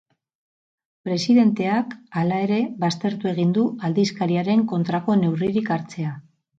Presidenteak, hala ere, baztertu egin du aldizkariaren kontrako neurririk hartzea.